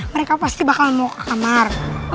mereka pasti bakal mau ke kamar